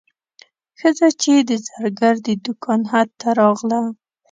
ښځه چې د زرګر د دوکان حد ته راغله.